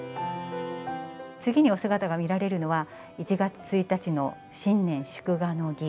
次にお姿が見られるのは、１月１日の新年祝賀の儀。